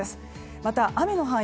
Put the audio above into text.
また、雨の範囲